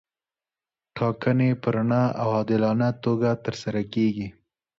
ټاکنې په رڼه او عادلانه توګه ترسره کیږي.